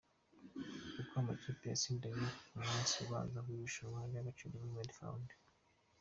Uko amakipe yatsindanye ku munsi ubanza w’irushanwa ry’Agaciro Development Fund.